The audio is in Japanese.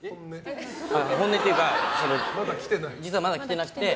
本音っていうか実は、まだ来ていなくて。